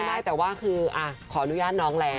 ไม่แต่ว่าคือขออนุญาตน้องแล้ว